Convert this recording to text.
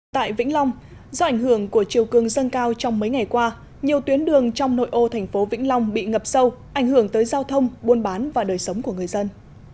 tại vĩnh long do ảnh hưởng của chiều cường dâng cao trong mấy ngày qua nhiều tuyến đường trong nội ô thành phố vĩnh long bị ngập sâu ảnh hưởng tới giao thông buôn bán và đời sống của người dân